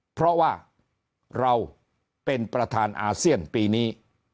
เพราะว่าเราเป็นประธานอาเซียนปีนี้